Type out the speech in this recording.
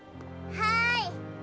はい。